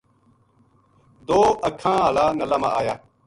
دو اکھاں ہالا نلا ما آیا